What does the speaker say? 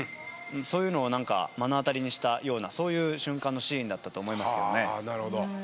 そういうのを目の当たりにしたようなそういう瞬間のシーンだったと思いますけどね。